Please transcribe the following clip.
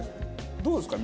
どうですか？